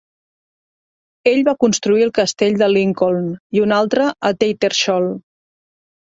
Ell va construir el Castell de Lincoln i un altre a Tattershall.